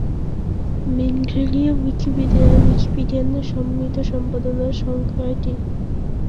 মিনগ্রেলীয় উইকিপিডিয়ায় উইকিপিডিয়ানদের সম্মিলিত সম্পাদনার সংখ্যা টি।